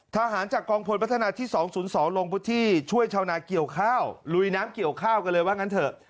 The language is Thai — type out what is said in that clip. ทหารจากกองพลพัฒนาที่๒๐๒ลงพื้นที่ช่วยชาวนาเกี่ยวข้าวลุยน้ำเกี่ยวข้าวกันเลยว่างั้นเถอะ